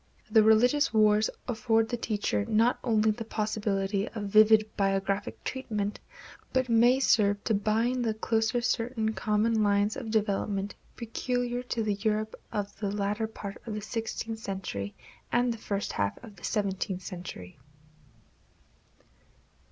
The religious wars afford the teacher not only the possibility of vivid biographic treatment, but may serve to bind the closer certain common lines of development peculiar to the Europe of the latter part of the sixteenth century and the first half of the seventeenth century.